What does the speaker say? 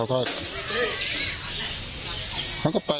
มันก็ไปเกิดไป